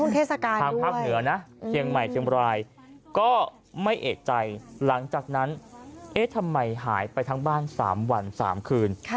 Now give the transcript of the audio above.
ทางท่าเหนือเชียงใหม่เชียงบรายก็ไม่เอ๋ใจหลังจากนั้นเอ๊ทมัยหายไปทั้งบ้าน๓วัน๓คืน